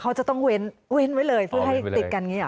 อ๋อเขาจะต้องเว้นไว้เลยการใช้นี่หรือ